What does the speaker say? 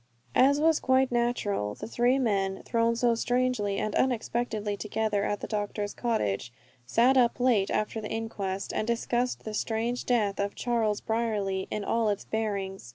As was quite natural, the three men, thrown so strangely and unexpectedly together at the doctor's cottage, sat up late after the inquest, and discussed the strange death of Charles Brierly in all its bearings.